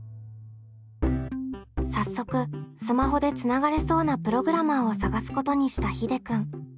早速スマホでつながれそうなプログラマーを探すことにしたひでくん。